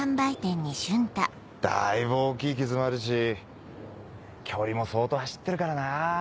だいぶ大きい傷もあるし距離も相当走ってるからなぁ。